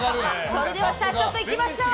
それでは早速いきましょう！